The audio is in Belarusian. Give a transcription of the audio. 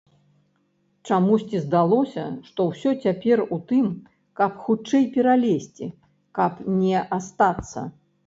Чамусьці здалося, што ўсё цяпер у тым, каб хутчэй пералезці, каб не астацца.